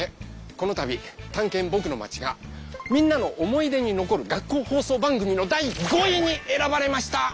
このたび「たんけんぼくのまち」がみんなの思い出に残る学校放送番組の第５位にえらばれました！